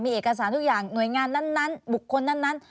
เอกสารทุกอย่างหน่วยงานนั้นบุคคลนั้น